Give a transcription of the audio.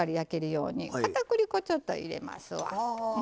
かたくり粉ちょっと入れますわ。